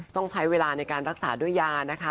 ต้องใช้เวลาในการรักษาด้วยยานะคะ